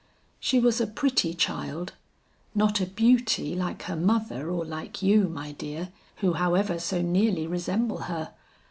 She was a pretty child; not a beauty like her mother or like you, my dear, who however so nearly resemble her.